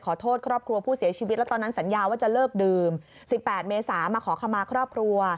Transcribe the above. ขอบคุณทุกคนค่ะ